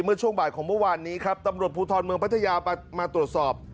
เมื่อช่วงบ่ายของเมื่อวานนี้ครับตำรวจภูทรเมืองพัทยามาตรวจสอบ